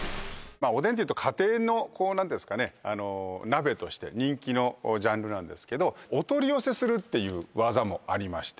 まあおでんというと家庭のこう何ていうんすかね鍋として人気のジャンルなんですけどお取り寄せするっていうワザもありまして